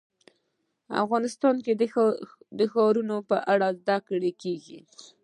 افغانستان کې د ښارونه په اړه زده کړه کېږي.